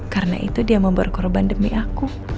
karena itu dia mau berkorban demi aku